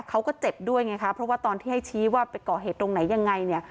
เขาก็เจ็บด้วยไงคะเพราะว่าตอนที่ให้ชี้ว่าไปก่อเหตุตรงไหนยังไงเนี่ย